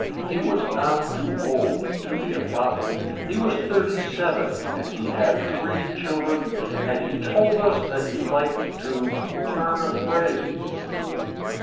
He was not too old to be a father he was thirty seven and he had three children and he told us that he liked to turn a phrase.